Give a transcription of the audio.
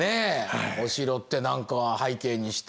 お城って何か背景にして。